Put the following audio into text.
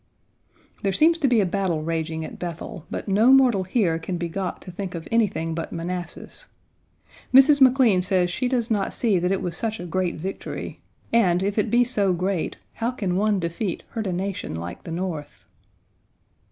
There seems to be a battle raging at Bethel, but no mortal here can be got to think of anything but Manassas. Mrs. McLean says she does not see that it was such a great victory, and if it be so great, how can one defeat hurt a nation like the North.